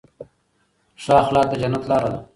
ښه اخلاق د جنت لاره ده.